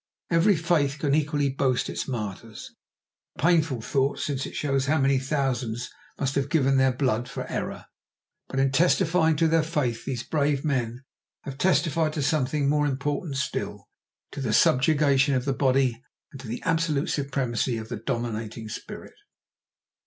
Every faith can equally boast its martyrs—a painful thought, since it shows how many thousands must have given their blood for error—but in testifying to their faith these brave men have testified to something more important still, to the subjugation of the body and to the absolute supremacy of the dominating spirit.